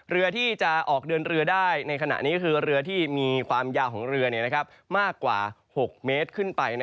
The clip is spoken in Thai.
เรือที่จะออกเดินเรือได้ในขณะนี้ก็คือเรือที่มีความยาวของเรือมากกว่า๖เมตรขึ้นไป